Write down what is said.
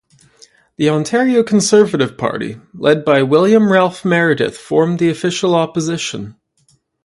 The Ontario Conservative Party, led by William Ralph Meredith, formed the official opposition.